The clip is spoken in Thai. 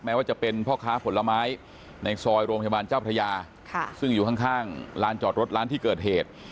ว่าจะเป็นพ่อค้าผลไม้ในซอยโรงพยาบาลเจ้าพระยาซึ่งอยู่ข้างลานจอดรถร้านที่เกิดเหตุ